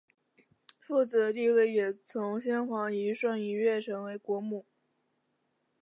富子的地位也从先皇遗孀一跃成为国母。